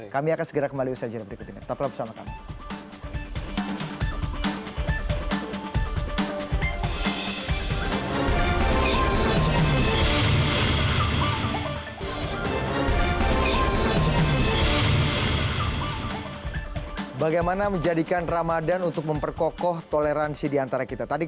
kami akan segera kembali usai jenah berikut ini